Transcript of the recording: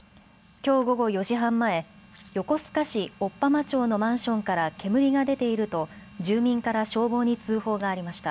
きょう午後４時半前、横須賀市追浜町のマンションから煙が出ていると住民から消防に通報がありました。